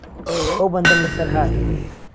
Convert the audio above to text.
ئهو بهندهم له سهر هاته